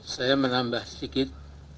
saya menambah sedikit